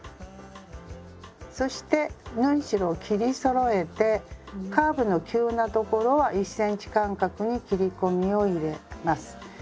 そして縫い代を切りそろえてカーブの急な所は１ｃｍ間隔に切り込みを入れます。